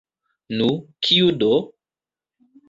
Nu, kiu do?